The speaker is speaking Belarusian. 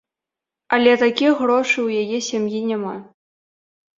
Але такіх грошай у яе сям'і няма.